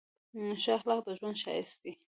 ښه اخلاق د ژوند ښایست دی.